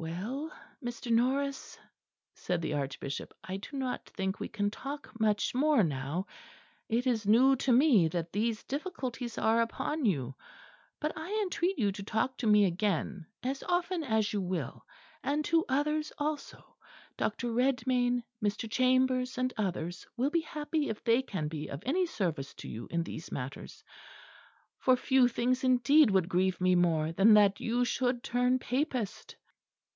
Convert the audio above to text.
"Well, Mr. Norris," said the Archbishop, "I do not think we can talk much more now. It is new to me that these difficulties are upon you. But I entreat you to talk to me again as often as you will; and to others also Dr. Redmayn, Mr. Chambers and others will be happy if they can be of any service to you in these matters: for few things indeed would grieve me more than that you should turn Papist."